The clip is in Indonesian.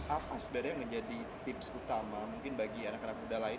apa sebenarnya yang menjadi tips utama mungkin bagi anak anak muda lain